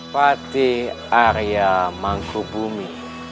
patih arya mangkubung